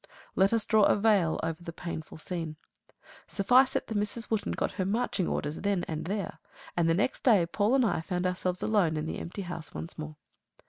Let us draw a veil over the painful scene. Suffice it that Mrs. Wotton got her marching orders then and there and that next day Paul and I found ourselves alone in the empty house once more.